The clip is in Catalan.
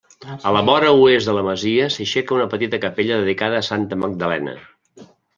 A la vora oest de la masia s'aixeca una petita capella dedicada a Santa Magdalena.